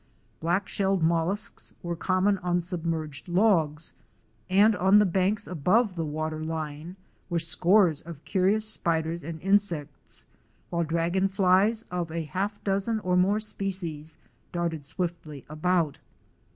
Black shelled mollusks were common on submerged logs, and on the banks above the water line were scores of curious spiders and insects, while dragon flies of a half dozen or more species darted swiftly about.